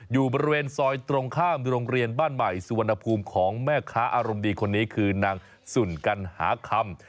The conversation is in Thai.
อยู่บริเวณซอยตรงข้ามโรงเรียนบ้านใหม่สุวรรณภูมิของแม่ค้าอารมณ์ดีคนนี้คือนางสุนกันหาคำ